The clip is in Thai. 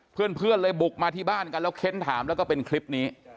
เพื่อนเลยบุกมาที่บ้านกันแล้วเค้นถามแล้วก็เป็นคลิปนี้